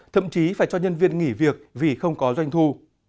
thậm chí phải cho nhân viên nghỉ việc vì không có doanh thu